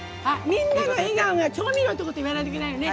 みんなの笑顔が調味料って言わないといけないよね。